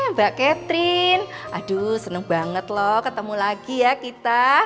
mbak catherine aduh seneng banget loh ketemu lagi ya kita